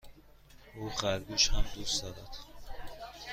او خرگوش هم دوست دارد.